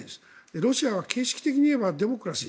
ロシアは形式的にいえばデモクラシー